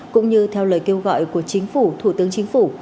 cũng như theo lời kêu gọi của chính phủ thủ tướng chính phủ